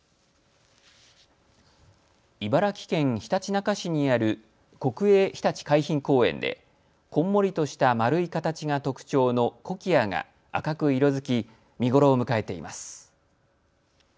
茨城県ひたちなか市にある国営ひたち海浜公園でこんもりとした丸い形が特徴のコキアが赤く色づき見頃を迎えています。